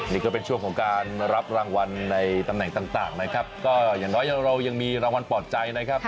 นี่ก็เป็นช่วงของการรับรางวัลในตำแหน่งต่างนะครับก็อย่างน้อยเรายังมีรางวัลปลอบใจนะครับ